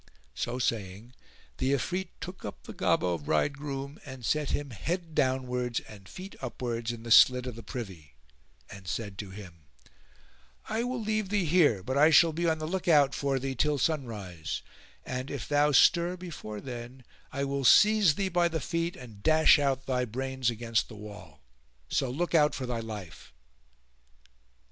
So saying, the Ifrit took up the Gobbo bridegroom and set him head downwards and feet upwards in the slit of the privy, [FN#422] and said to him, "I will leave thee here but I shall be on the look out for thee till sunrise; and, if thou stir before then, I will seize thee by the feet and dash out thy brains against the wall: so look out for thy life!"